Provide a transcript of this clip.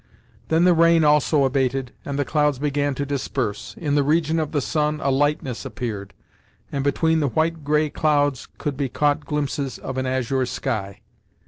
Then the rain also abated, and the clouds began to disperse. In the region of the sun, a lightness appeared, and between the white grey clouds could be caught glimpses of an azure sky.